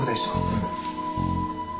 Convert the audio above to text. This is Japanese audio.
うん。